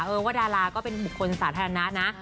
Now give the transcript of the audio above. ว่าดาราก็เป็นบุคคลสาธารณะนะ